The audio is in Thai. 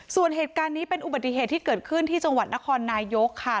ส่วนเหตุการณ์นี้เป็นอุบัติเหตุที่เกิดขึ้นที่จังหวัดนครนายกค่ะ